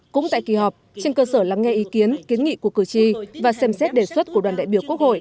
cũng tại kỳ họp trên cơ sở lắng nghe ý kiến kiến nghị của cử tri và xem xét đề xuất của đoàn đại biểu quốc hội